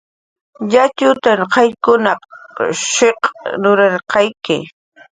"Yatxutat"" qayllkunaq shiq' nurarqayki"